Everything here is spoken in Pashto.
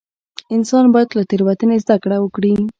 انسان باید له تېروتنې زده کړه وکړي.